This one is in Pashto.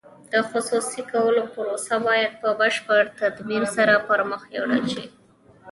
د خصوصي کولو پروسه باید په بشپړ تدبیر سره پرمخ یوړل شي.